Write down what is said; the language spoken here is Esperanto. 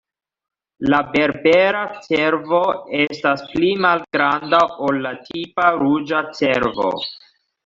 La Berbera cervo estas pli malgranda ol la tipa ruĝa cervo.